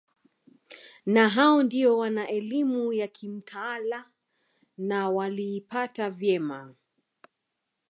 Na hao ndio wana elimu ya kimtaala na waliipata vyema